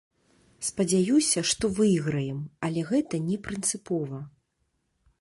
Спадзяюся, што выйграем, але гэта не прынцыпова.